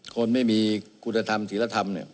คนไม่มีคุณธรรมศิลธรรม